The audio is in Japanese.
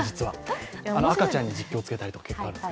赤ちゃんに実況付けたりとか結構あります。